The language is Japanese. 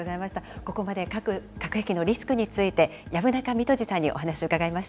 ここまで、核兵器のリスクについて、薮中三十二さんにお話を伺いました。